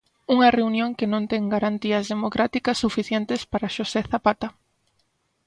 Unha reunión que non ten garantías democráticas suficientes para Xosé Zapata.